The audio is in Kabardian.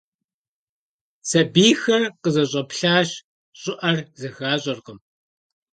Сэбийхэр къызэщӀэплъащ, щӀыӀэр зэхащӀэркъым.